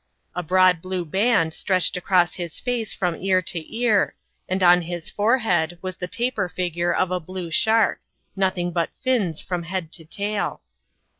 A broad blue band stretched across his face from ear to ear, and on his forehead was the taper figure of a blue shark, nothing but fins from head to tail.